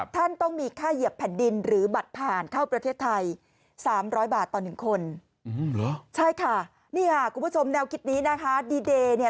ท่านต้องมีค่าเหยียบแผ่นดินหรือบัตรผ่านเข้าประเทศไทย